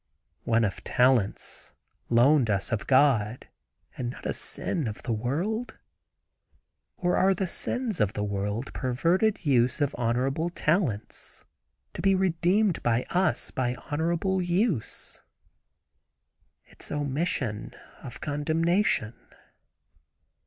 One of talents, loaned us of God, and not a sin of the world? Or are the sins of the world perverted use of honorable talents, to be redeemed by us by honorable use? its omission, of condemnation.